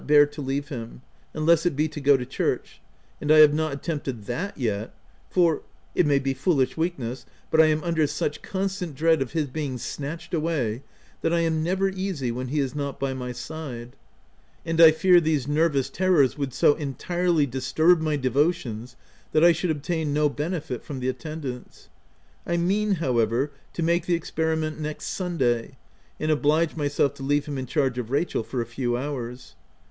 129 bear to leave him, unless it be to go to church ; and I have not attempted that yet, for — it may be foolish weakness, but I am under such con stant dread of his being snatched away that I am never easy when he is not by my side ; and I fear these nervous terrors would so entirely disturb my devotions, that I should obtain no benefit from the attendance. I mean, however, to make the experiment next Sunday, and oblige myself to leave him in charge of Rachel for a few hours.